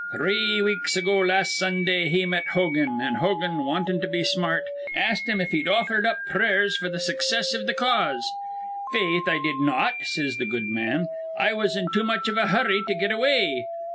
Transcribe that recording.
Three weeks ago las' Sundah he met Hogan; an' Hogan, wantin' to be smart, ast him if he'd offered up prayers f'r th' success iv th' cause. 'Faith, I did not,' says th' good man. 'I was in too much iv a hurry to get away.'